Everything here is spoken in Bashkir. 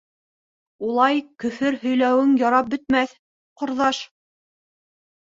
— Улай көфөр һөйләүең ярап бөтмәҫ, ҡорҙаш.